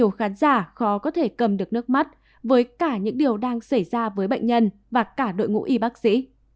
danh giới khiến cho nhiều khán giả khó có thể cầm được nước mắt với cả những điều đang xảy ra với bệnh nhân và cả đội ngũ y bác sĩ